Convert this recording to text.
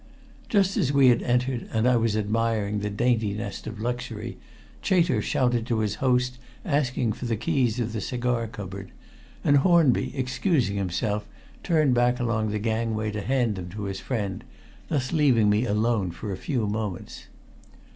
Just as we had entered, and I was admiring the dainty nest of luxury, Chater shouted to his host asking for the keys of the cigar cupboard, and Hornby, excusing himself, turned back along the gangway to hand them to his friend, thus leaving me alone for a few moments.